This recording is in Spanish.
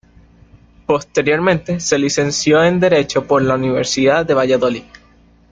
Posteriormente se licenció en Derecho por la Universidad de Valladolid.